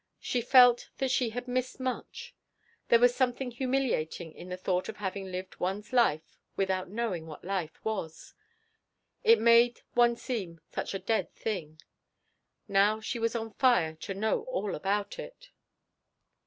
She felt that she had missed much. There was something humiliating in the thought of having lived one's life without knowing what life was. It made one seem such a dead thing. Now she was on fire to know all about it.